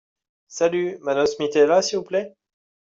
Salut ! Mme Smith est là, s'il vous plait ?